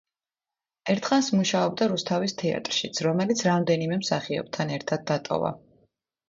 ერთხანს მუშაობდა რუსთავის თეატრშიც, რომელიც რამდენიმე მსახიობთან ერთად დატოვა.